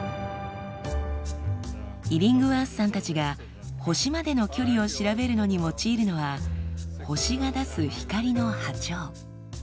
イリングワースさんたちが星までの距離を調べるのに用いるのは星が出す光の波長。